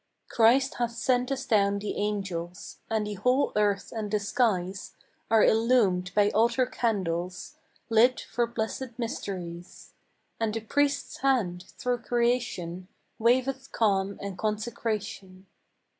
Christ hath sent us down the angels; And the whole earth and the skies Are illumed by altar candles TRUTH. 35 Lit for blessed mysteries ; And a Priest's Hand, through creation, Waveth calm and consecration.